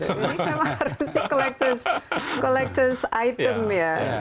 ini memang harusnya collectures item ya